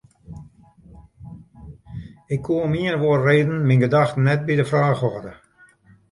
Ik koe om ien of oare reden myn gedachten net by de fraach hâlde.